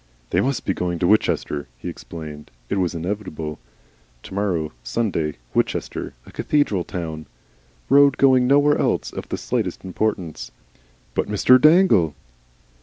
"They MUST be going to Winchester," he explained. It was inevitable. To morrow Sunday, Winchester a cathedral town, road going nowhere else of the slightest importance. "But Mr. Dangle?"